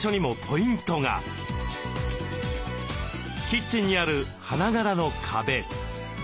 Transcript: キッチンにある花柄の壁。